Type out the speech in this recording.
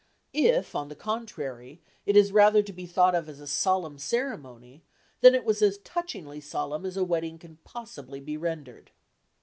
If on the contrary, it is rather to be thought of as a solemn ceremony, then it was as touchingly solemn as a wedding can possibly be rendered.